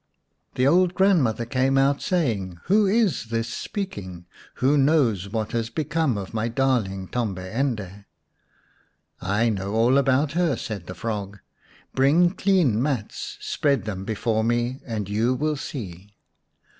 The old grandmother came out, saying, " Who is this speaking ? Who knows what has become of my darling Tombi ende ?"" I know all about her," said the frog. " Bring clean mats, spread them before me, and you will see."